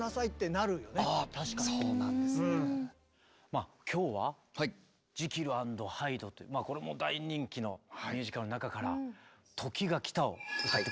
まあ今日は「ジキル＆ハイド」というこれも大人気のミュージカルの中から「時が来た」を歌ってくれる。